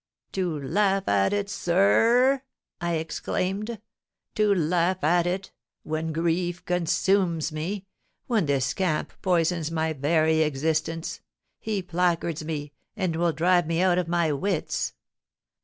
'To laugh at it, sir r r!' I exclaimed, 'to laugh at it, when grief consumes me, when this scamp poisons my very existence; he placards me, and will drive me out of my wits.